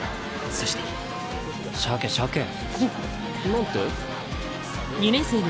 そしてしゃけしゃけ。なんて？